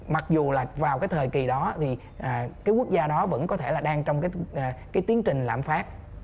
mặc dù là vào cái thời kỳ đó thì cái quốc gia đó vẫn có thể là đang trong cái tiến trình lãm phát